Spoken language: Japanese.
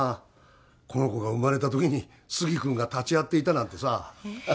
この子が生まれた時に杉君が立ち会っていたなんてさええ